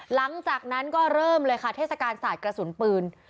หลังจากนั้นก็เริ่มเลยค่ะเทศกาลศาสตร์กระสุนปืน